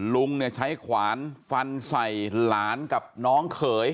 ลุงเนี่ยใช้ขวานฟันใส่หลานกับน้องเขย